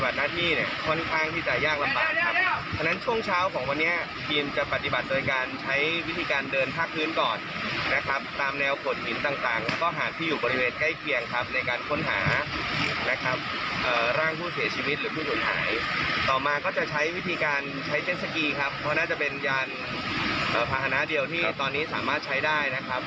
ต่อมาก็จะใช้วิธีการใช้เจ็ดสกีครับเพราะน่าจะเป็นยานภาษณาเดียวที่ตอนนี้สามารถใช้ได้นะครับ